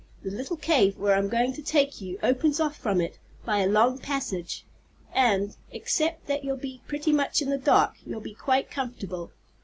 The little cave, where I'm going to take you, opens off from it by a long passage. And, except that you'll be pretty much in the dark, you'll be quite comfortable.